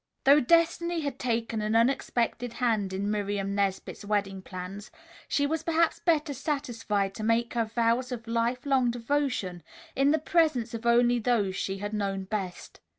Though destiny had taken an unexpected hand in Miriam Nesbit's wedding plans, she was perhaps better satisfied to make her vows of life long devotion in the presence of only those she had known best.